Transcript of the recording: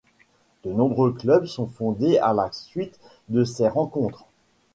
De nombreux clubs sont fondés à la suite de ces rencontres.